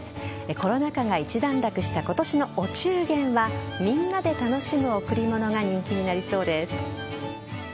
コロナ禍が一段落した今年のお中元はみんなで楽しむ贈り物が人気になりそうです。